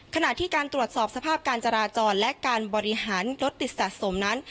ขณะที่การตรวจสอบสภาพการจราจรและการบริหารรถติดสะสมนั้น